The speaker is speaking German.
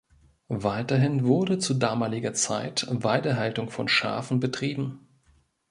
Weiterhin wurde zu damaliger Zeit Weidehaltung von Schafen betrieben.